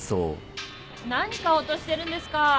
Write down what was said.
何買おうとしてるんですか